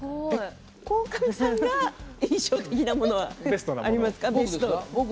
鴻上さんが印象的なものはありますか？